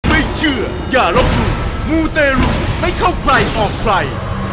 ไม่เชื่ออย่าลบหลู่มูเตรุไม่เข้าใครออกใคร